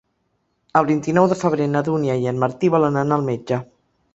El vint-i-nou de febrer na Dúnia i en Martí volen anar al metge.